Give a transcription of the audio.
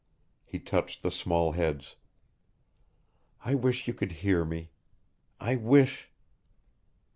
He touched the small heads. "I wish you could hear me. I wish